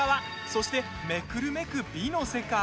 そして、めくるめく美の世界。